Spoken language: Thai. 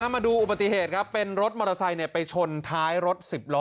มาดูอุบัติเหตุครับเป็นรถมอเตอร์ไซค์ไปชนท้ายรถสิบล้อ